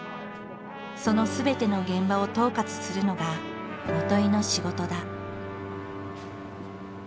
そのすべての現場を統括するのが元井の仕事だ。